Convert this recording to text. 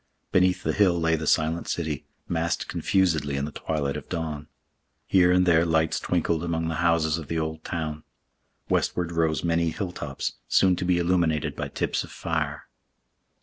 Beneath the hill lay the silent city, massed confusedly in the twilight of dawn. Here and there lights twinkled among the houses of the old town. Westward rose many hill tops, soon to be illuminated by tips of fire.